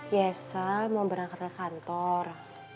biasa mau berangkat ke kantor